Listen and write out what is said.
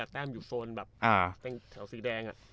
แต้มอยู่โซนแบบแถวสีแดง